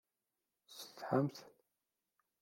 Tessetḥamt?